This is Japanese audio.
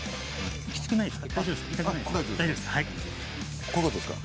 きつくないですか。